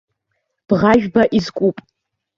Бӷажәба изкуп.